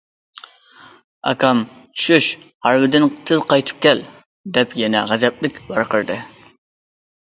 ئاكام:« چۈش ھارۋىدىن، تېز قايتىپ كەل!» دەپ يەنە غەزەپلىك ۋارقىرىدى.